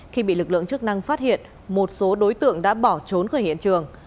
khi bị lực lượng chức năng phát hiện một số đối tượng đã bỏ trốn khỏi hiện trường